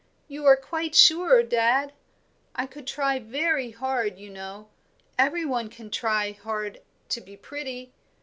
"You are quite sure, dad? I could try very hard, you know; every one can try hard to be pretty."